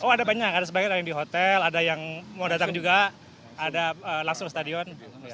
oh ada banyak ada sebagian ada yang di hotel ada yang mau datang juga ada langsung stadion